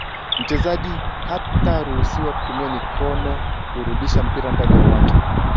mchezaji ataruhusiwa kutumia mikono kurudisha mpira ndani ya uwanja